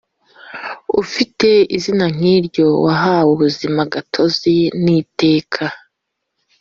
ufite izina nk iryo wahawe ubuzima gatozi n iteka